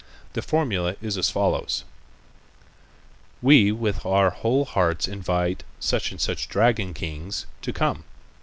The formula is as follows: "We with our whole heart invite such and such dragon kings to come.